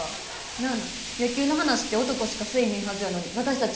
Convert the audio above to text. なあなあ野球の話って男しかせえへんはずやのに私たち